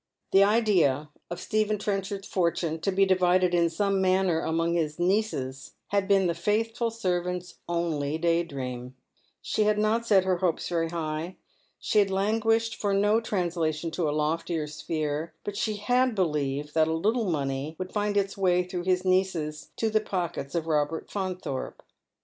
The idea of Stephen Trencbard's fortune — to be divided in some manner among his nieces — had been the faithful servant's only day dream. ' Sha had not set her hopes veiy high. She had languished for no translation to a loftier sphere, but she had believed that a little money would find its way through his nieces to the pockets of Robert Faunthorpe.